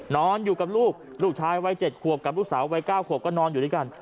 นอนอยู่กับลูกลูกชายวัย๗ขวบกับลูกสาววัย๙ขวบก็นอนอยู่ด้วยกัน